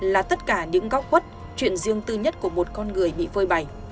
là tất cả những góc khuất chuyện riêng tư nhất của một con người bị phơi bày